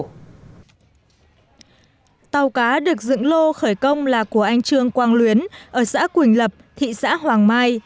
tàu cá được dựng lô khởi công là của anh trương quang luyến ở xã quỳnh lập thị xã hoàng mai